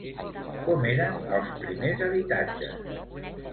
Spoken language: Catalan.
Com eren els primers habitatges?